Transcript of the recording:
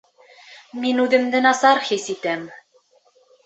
Мин үҙемде насар хис итәм